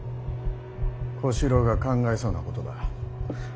小四郎が考えそうなことだ。